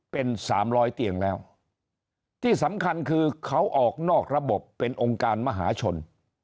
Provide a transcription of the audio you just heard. เป็นสามร้อยเตียงแล้วที่สำคัญคือเขาออกนอกระบบเป็นองค์การมหาชน